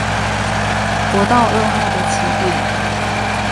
國道二號的起點